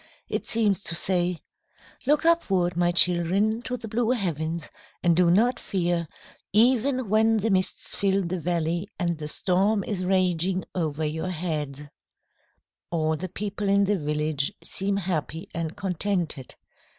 It seems to say, "Look upward, my children, to the blue heavens, and do not fear, even when the mists fill the valley and the storm is raging over your heads." All the people in the village seem happy and contented.